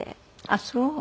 あっそう。